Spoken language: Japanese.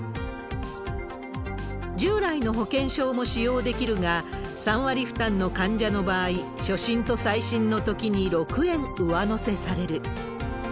従来の保険証も使用できるが、３割負担の患者の場合、初診と再診のときに６円上乗せされる。